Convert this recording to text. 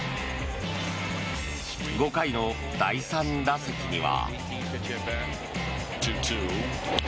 ５回の第３打席には。